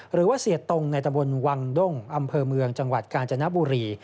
หรือว่าเสียตรงในตะบนวังด้งอำเภอเมืองจังหวัดกาญจนบุรี